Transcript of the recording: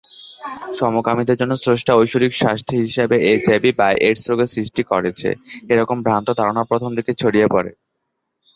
সমকামীদের জন্য স্রষ্টা ঐশ্বরিক শাস্তি হিসেবে এইচআইভি/এইডস রোগের সৃষ্টি করেছে-এরকম ভ্রান্ত ধারণা প্রথমদিকে ছড়িয়ে পরে।